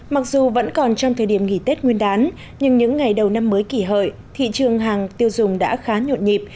mặc dù vẫn còn trong thời điểm nghỉ tết nguyên đán nhưng những ngày đầu năm mới kỷ hợi thị trường hàng tiêu dùng đã khá nhộn nhịp